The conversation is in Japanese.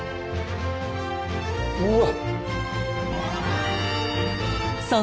うわ！